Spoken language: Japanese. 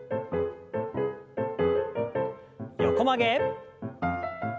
横曲げ。